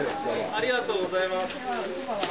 ありがとうございます。